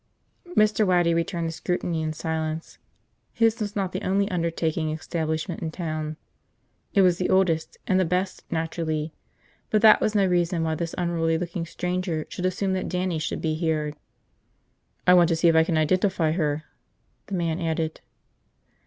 Mr. Waddy returned the scrutiny in silence. His was not the only undertaking establishment in town. It was the oldest. And the best, naturally. But that was no reason why this unruly looking stranger should assume that Dannie should be here. "I want to see if I can identify her," the man added.